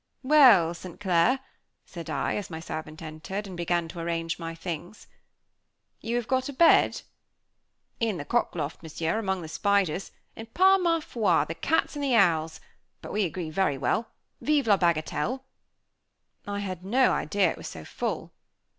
"Well, St. Clair," said I, as my servant entered, and began to arrange my things. "You have got a bed?" "In the cock loft, Monsieur, among the spiders, and, par ma foi! the cats and the owls. But we agree very well. Vive la bagatelle!" "I had no idea it was so full."